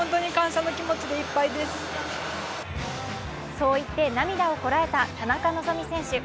そう言って涙をこらえた田中希実選手。